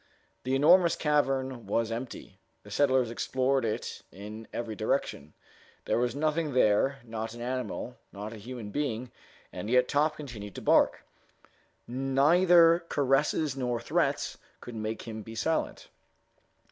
The enormous cavern was empty. The settlers explored it in every direction. There was nothing there, not an animal, not a human being; and yet Top continued to bark. Neither caresses nor threats could make him be silent.